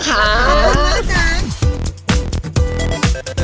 ขอบคุณมากจ๊ะ